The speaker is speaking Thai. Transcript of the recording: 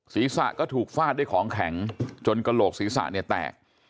ศีรษะก็ถูกฟาดด้วยของแข็งจนกระโหลกศีรษะเนี่ยแตก